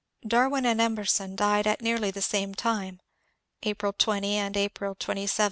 Darwin and Emerson died at nearly the same time (April 20 and April 27, 1882).